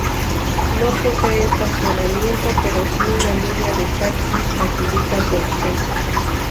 No posee estacionamiento pero si una línea de taxis facilita su acceso.